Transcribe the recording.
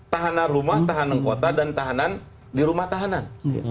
tahanan rumah tahanan kota dan tahanan di rumah tahanan